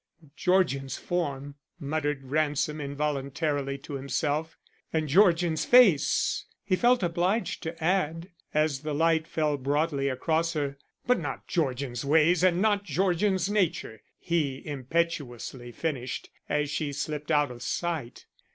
"Georgian's form!" muttered Ransom involuntarily to himself. "And Georgian's face!" he felt obliged to add, as the light fell broadly across her. "But not Georgian's ways and not Georgian's nature," he impetuously finished as she slipped out of sight.